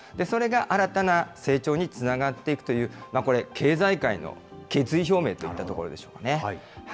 それが新たな成長につながっていくという、これ、経済界の決意表明といったところでしょうかね。